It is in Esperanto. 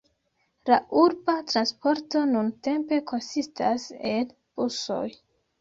La urba transporto nuntempe konsistas el busoj.